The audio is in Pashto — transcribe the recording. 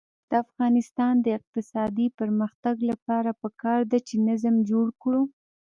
د افغانستان د اقتصادي پرمختګ لپاره پکار ده چې نظم جوړ کړو.